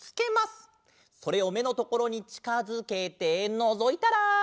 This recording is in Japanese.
それをめのところにちかづけてのぞいたら。